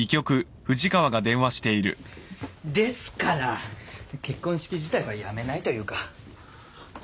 ですから結婚式自体はやめないというか。